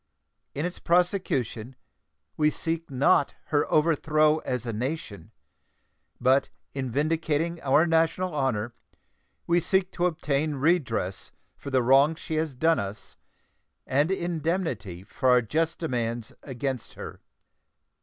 In its prosecution we seek not her overthrow as a nation, but in vindicating our national honor we seek to obtain redress for the wrongs she has done us and indemnity for our just demands against her.